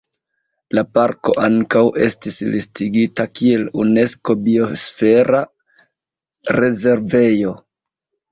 La parko ankaŭ estis listigita kiel Unesko Biosfera Rezervejo.